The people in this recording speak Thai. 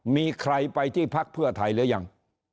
มีใครไปที่พักเพื่อไทยหรือยัง